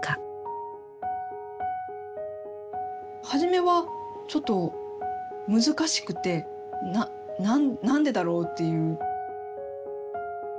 初めはちょっと難しくて何でだろうっていう。